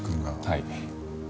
はい。